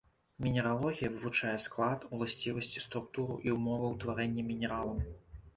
Мінералогія вывучае склад, уласцівасці, структуру і ўмовы ўтварэння мінералаў.